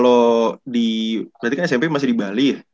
waktu lu di bali itu berarti udah ada sempet ngebela daerah gitu gak sih